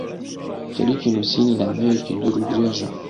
خەریکی نووسینی نامەیەکی دوورودرێژە.